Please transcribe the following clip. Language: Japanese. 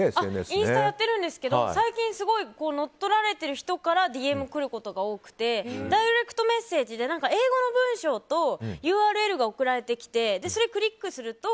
インスタやってるんですけど最近、乗っ取られてる人からＤＭが来ることが多くてダイレクトメッセージでＵＲＬが送られてきてそれをクリックすると